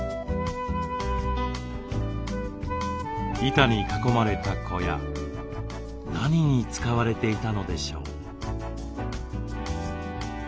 板に囲まれた小屋何に使われていたのでしょう？